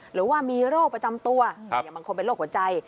หรือว่ามีโรคประจำตัวอย่างบางคนเป็นโรคหัวใจ